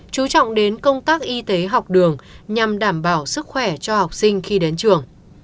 chú trọng đến công tác y tế học đường nhằm đảm bảo sức khỏe cho học sinh khi đến trường